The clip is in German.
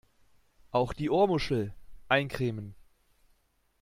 Auch die Ohrmuschel eincremen!